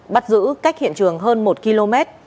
bắt giữ cách hiện trường hơn một km